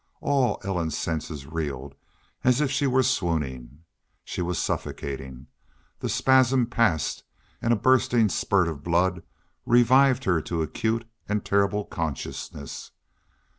All Ellen's senses reeled, as if she were swooning. She was suffocating. The spasm passed, and a bursting spurt of blood revived her to acute and terrible consciousness.